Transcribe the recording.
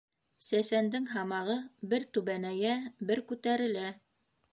Сәсәндең һамағы бер түбәнәйә, бер күтәрелә.